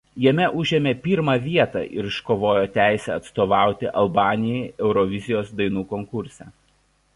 Jame užėmė pirmą vietą ir iškovojo teisę atstovauti Albanijai Eurovizijos dainų konkurse.